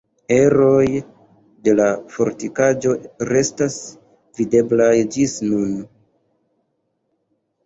Eroj de la fortikaĵo restas videblaj ĝis nun.